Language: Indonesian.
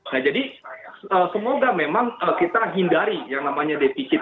nah jadi semoga memang kita hindari yang namanya defisit